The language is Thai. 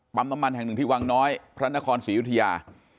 น้ำมันแห่งหนึ่งที่วังน้อยพระนครศรีอยุธยา